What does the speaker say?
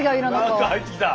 何か入ってきた。